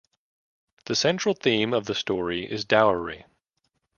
The central theme of the story is dowry.